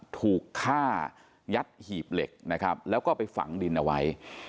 ถูกฆ่ายัดหีบเหล็กนะครับแล้วก็ไปฝังดินเอาไว้